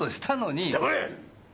黙れ！